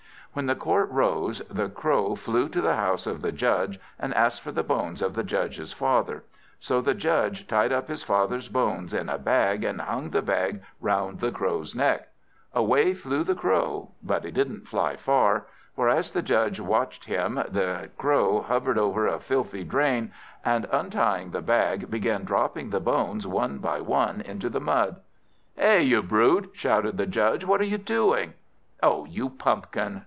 When the court rose, the Crow flew to the house of the Judge, and asked for the bones of the Judge's father. So the Judge tied up his father's bones in a bag, and hung the bag round the Crow's neck. Away flew the Crow, but he didn't fly far; for as the Judge watched him, the Crow hovered over a filthy drain; and untying the bag, began dropping the bones one by one into the mud. "Hi, you brute!" shouted the Judge, "what are you doing!" "Oh, you pumpkin!"